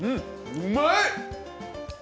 うまい！